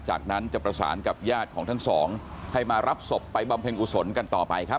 จากนั้นจะประสานกับญาติของทั้งสองให้มารับศพไปบำเพ็ญกุศลกันต่อไปครับ